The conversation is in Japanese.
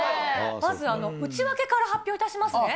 まず内訳から発表いたしますね。